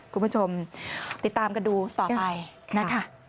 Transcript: คุณผู้ชมติดตามกันดูต่อไปนะคะ